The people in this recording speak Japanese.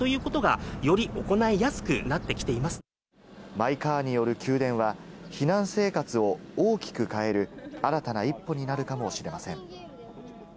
マイカーによる給電は避難生活を大きく変える新たな一歩になるかもしれません。